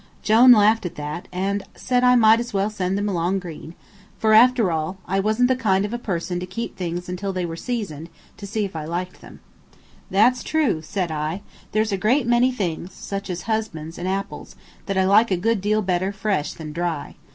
Jone laughed at that, and said I might as well send them along green, for, after all, I wasn't the kind of a person to keep things until they were seasoned, to see if I liked them. "That's true," said I, "there's a great many things, such as husbands and apples, that I like a good deal better fresh than dry.